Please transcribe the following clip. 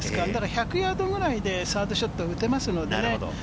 １００ヤードぐらいでサードショットを打てますのでね。